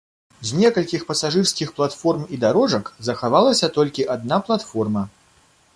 З некалькіх пасажырскіх платформ і дарожак захавалася толькі адна платформа.